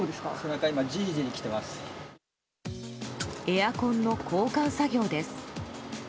エアコンの交換作業です。